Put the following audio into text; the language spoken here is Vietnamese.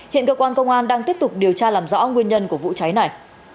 hiện cơ quan công an đang tiếp tục điều tra làm rõ nguyên nhân của vụ cháy này